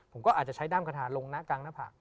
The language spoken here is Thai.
ผมก็อาจจะใช้ด้ามกระทานลงนะกางนะผาก